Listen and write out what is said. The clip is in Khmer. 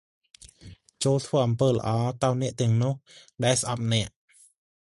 ចូលធ្វើអំពើល្អទៅអ្នកទាំងនោះដែលស្អប់អ្នក ។